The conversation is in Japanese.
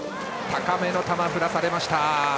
高めの球を振らされました。